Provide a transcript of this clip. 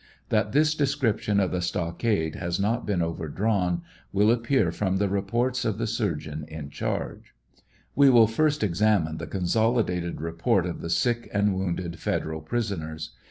That this description of the stockade has not been overdrawn, will appear from the reports of the surgeon in charge. 182 BEBEL TESTIMONY. We will first examine the consolidated report of the sick and woun ded Federal prisoners.